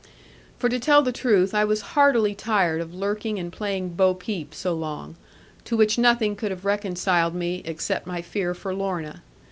For to tell the truth, I was heartily tired of lurking and playing bo peep so long; to which nothing could have reconciled me, except my fear for Lorna.